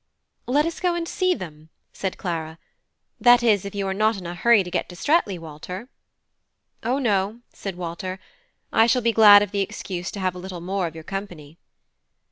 "Let us go and see them," said Clara; "that is, if you are not in a hurry to get to Streatley, Walter?" "O no," said Walter, "I shall be glad of the excuse to have a little more of your company."